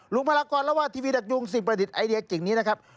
พลากรเล่าว่าทีวีดักยุงสิ่งประดิษฐ์ไอเดียกิ่งนี้นะครับ